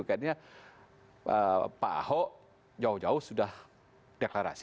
kayaknya pak ahok jauh jauh sudah deklarasi